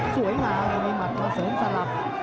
สวยหงามีมัดมาเสริมสลับ